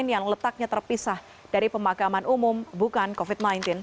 yang letaknya terpisah dari pemakaman umum bukan covid sembilan belas